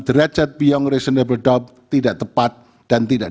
kriaing yang melakukan demo dan kualitas dunia mp llega panggilan